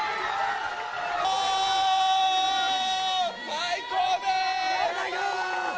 最高です！